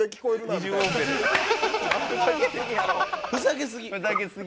ふざけすぎ！